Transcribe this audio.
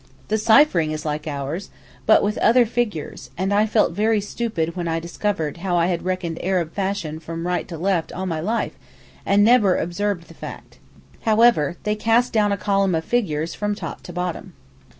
The ciphering is like ours, but with other figures, and I felt very stupid when I discovered how I had reckoned Arab fashion from right to left all my life and never observed the fact. However, they 'cast down' a column of figures from top to bottom.